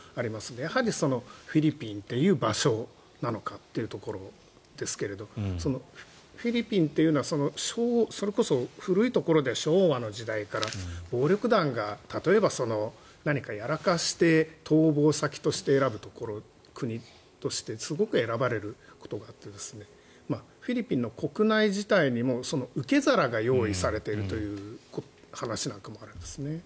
やはり、フィリピンという場所なのかというところですがフィリピンというのはそれこそ古い時代でいえば昭和の時代から暴力団が例えば何かやらかして逃亡先として選ぶところ国としてすごく選ばれることがあってフィリピンの国内自体にも受け皿が用意されているという話なんかもあるんです。